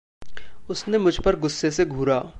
उसने मुझपर ग़ुस्से से घूरा।